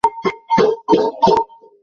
যখন এখানে এসে পড়েছিস, তখন তোরা এখানকার লোক।